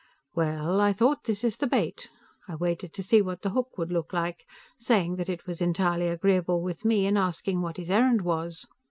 Well, I thought, this is the bait. I waited to see what the hook would look like, saying that it was entirely agreeable with me, and asking what his errand was.